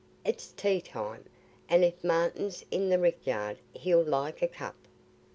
It's tea time; an' if Martin's i' the rick yard, he'll like a cup.